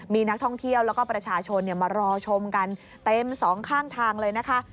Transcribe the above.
มีนักท่องเที่ยวแล้วก็ประชาชนมารอชมกันเต็มสองข้างทางเลยนะคะ